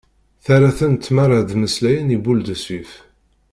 Terra-ten tmara ad mmeslayen i Boule de Suif.